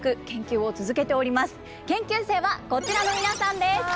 研究生はこちらの皆さんです！